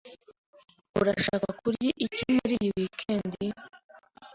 Urashaka kurya iki muri iyi weekend?